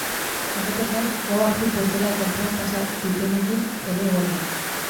Horretaz gain, gaua futbol zelai kanpoan pasa dutenekin ere egon da.